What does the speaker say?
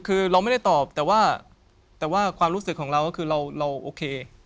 คือเราไม่ได้ตอบแต่ว่าแต่ว่าความรู้สึกของเราก็คือเราโอเค